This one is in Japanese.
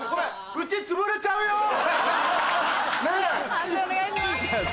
判定お願いします。